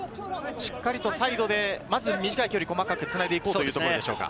しっかりとサイドでまずは短い距離、細かくつないでいこうというところでしょうか。